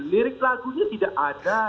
lirik lagunya tidak ada